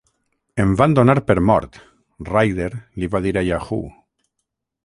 "Em van donar per mort" Rider li va dir a Yahoo!